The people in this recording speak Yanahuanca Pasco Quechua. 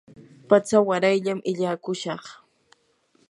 patsa warayllam illakushaq.